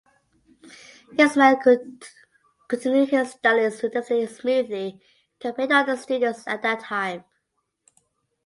Ismail could continue his studies relatively smoothly compared to other students at that time.